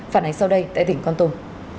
phản ánh sau đây tại tỉnh con tum